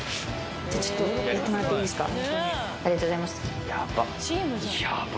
じゃちょっとやってもらっていいですか？